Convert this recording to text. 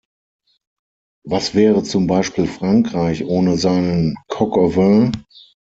Was wäre zum Beispiel Frankreich ohne seinen coq au vin?